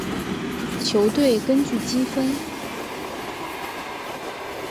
球队根据积分。